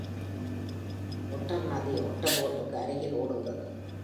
ஒட்டர் நதி ஒட்டர்போர்டுக்கு அருகில் ஓடுகிறது.